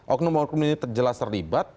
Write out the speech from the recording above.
oknum oknum ini jelas terlibat